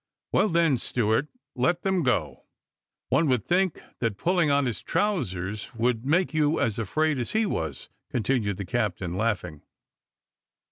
"Well, then, steward, let them go. One would think that pulling on his trowsers would make you as afraid as he was," continued the captain laughing.